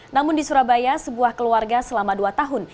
namun di surabaya sebuah keluarga selama dua tahun